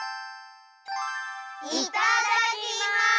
いただきます！